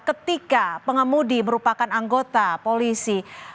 ketika pengemudi merupakan anggota polisi